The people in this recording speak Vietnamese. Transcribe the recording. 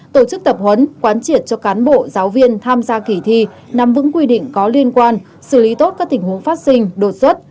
tổ chức tập huấn quán triệt cho cán bộ giáo viên tham gia kỳ thi nắm vững quy định có liên quan xử lý tốt các tình huống phát sinh đột xuất